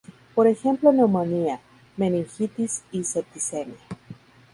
Por ejemplo neumonía, meningitis y septicemia.